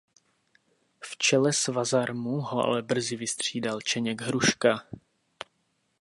V čele Svazarmu ho ale brzy vystřídal Čeněk Hruška.